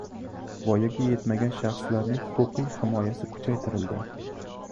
Voyaga yetmagan shaxslarning huquqiy himoyasi kuchaytirildi